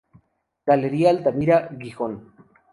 Galería Altamira, Gijón.